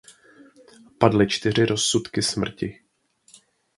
Padly čtyři rozsudky smrti.